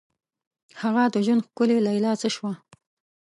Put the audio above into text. هغه د ژوند ښکلي لیلا څه شوه؟